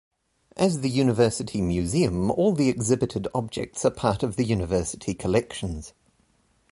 As the university museum all the exhibited objects are part of the university collections.